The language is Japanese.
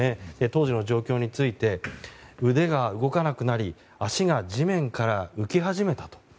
当時の状況について腕が動かなくなり足が地面から浮き始めたと。